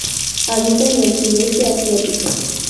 Habita en el Sudeste Asiático.